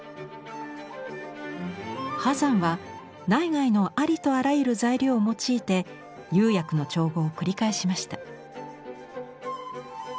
波山は内外のありとあらゆる材料を用いて釉薬の調合を繰り返しました。